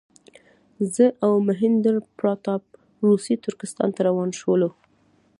زه او مهیندراپراتاپ روسي ترکستان ته روان شولو.